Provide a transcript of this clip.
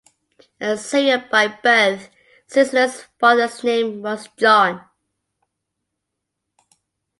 A Syrian by birth, Sisinnius' father's name was John.